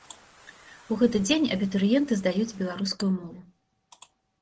У гэты дзень абітурыенты здаюць беларускую мову.